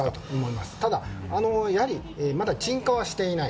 ただ、まだ鎮火はしていない。